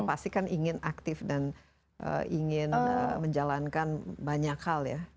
pasti kan ingin aktif dan ingin menjalankan banyak hal ya